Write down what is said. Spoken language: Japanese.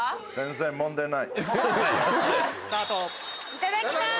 ・いただきます。